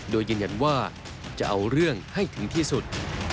โดยยืนยันว่าจะเอาเรื่องให้ถึงที่สุด